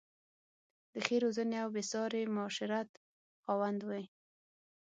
د ښې روزنې او بې ساري معاشرت خاوند وې.